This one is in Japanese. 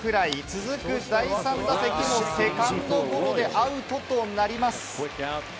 続く第３打席もセカンドゴロでアウトとなります。